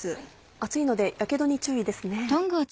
熱いのでやけどに注意ですね。